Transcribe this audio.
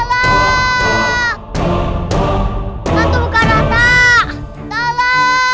hantu bukarata tala